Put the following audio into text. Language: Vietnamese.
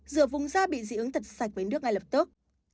rửa vùng da bị dị ứng thật sạch với nước ngay lập tức